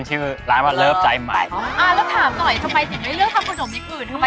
แล้วถามหน่อยทำไมเรียกเลือกทำขนมแบบอื่น